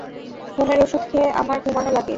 ঘুমের ওষুধ খেয়ে আমার ঘুমানো লাগে!